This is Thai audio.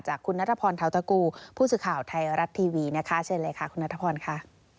คุณนัทพรเทาตะกูผู้สื่อข่าวไทยรัฐทีวีนะคะเชิญเลยค่ะคุณนัทพรค่ะ